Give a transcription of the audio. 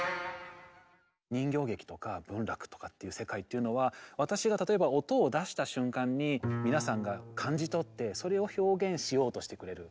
人形劇とか文楽とかっていう世界っていうのは私が例えば音を出した瞬間に皆さんが感じ取ってそれを表現しようとしてくれる。